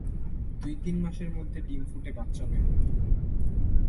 দুই-তিন মাসের মধ্যে ডিম ফুটে বাচ্চা বেরোয়।